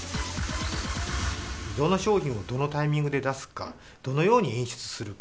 どの商品をどのタイミングで出すか、どのように演出するか。